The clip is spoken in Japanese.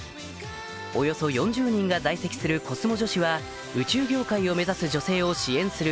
およそ４０人が在籍するコスモ女子は宇宙業界を目指す女性を支援する